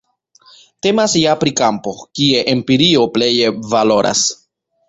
Temas ja pri kampo, kie empirio pleje valoras.